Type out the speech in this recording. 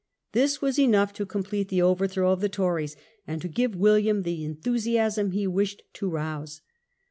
This was enough to complete the overthrow of the Tories and to give William the enthusiasm he wished to rouse.